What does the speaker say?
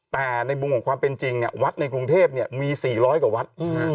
แต่ในมุมของความเป็นจริงวัดในกรุงเทพมี๔๐๐กว่าวัด